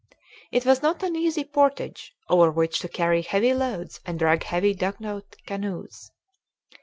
It was not an easy portage over which to carry heavy loads and drag heavy dugout canoes.